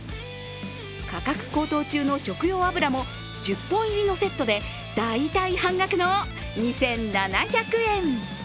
価格高騰中の食用油も１０本入りのセットで大体半額の２７００円。